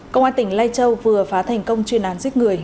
công an tỉnh lai châu vừa phá thành công chuyên án giết người